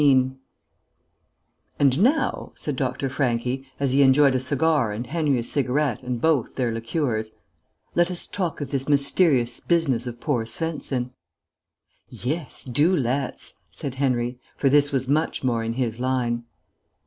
17 "And now," said Dr. Franchi, as he enjoyed a cigar and Henry a cigarette and both their liqueurs, "let us talk of this mysterious business of poor Svensen." "Yes, do let's," said Henry, for this was much more in his line.